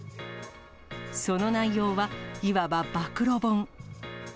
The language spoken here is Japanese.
その内容は、いわば暴露本。